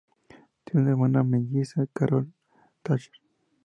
Tiene una hermana melliza, Carol Thatcher.